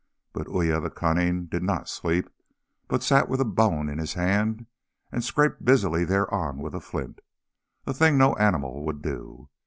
But Uya the Cunning did not sleep, but sat with a bone in his hand and scraped busily thereon with a flint, a thing no animal would do.